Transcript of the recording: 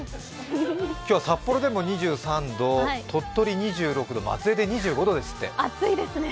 今日は札幌でも２３度、鳥取２６度、松江で２５度ですって。